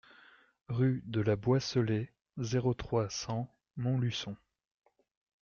Rue de la Boisselée, zéro trois, cent Montluçon